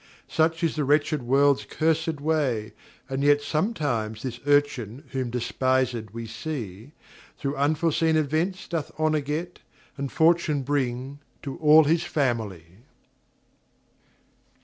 Such is the wretched world's curs'd way; and yet Sometimes this urchin whom despis'd we see, Through unforeseen events doth honour get, And fortune bring to all his family.